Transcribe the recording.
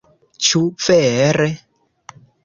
Ĉu vere?...